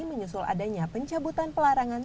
menyusul adanya pencabutan pelarangan